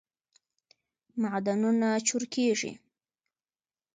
معدنونه چورکیږی